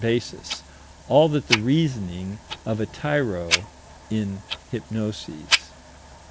basis all that the reasoning of a tyro in hypnoses.